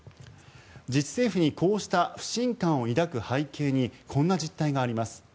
自治政府にこうした不信感を抱く背景にこんな実態があります。